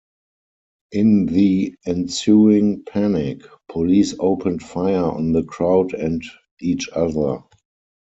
In the ensuing panic, police opened fire on the crowd and each other.